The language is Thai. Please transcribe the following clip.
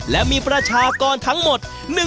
และมีประชากรทั้งหมด